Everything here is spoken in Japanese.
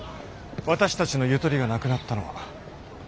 私たちのゆとりがなくなったのは。